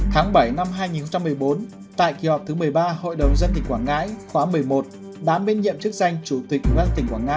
tháng bảy năm hai nghìn một mươi bốn tại kỳ họp thứ một mươi ba hội đồng dân tỉnh quảng ngãi khoảng một mươi một